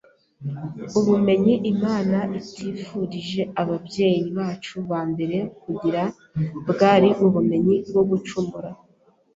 Ubumenyi Imana itifurije ababyeyi bacu ba mbere kugira bwari ubumenyi bwo gucumura